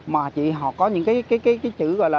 mà chỉ họ có những cái chữ gọi là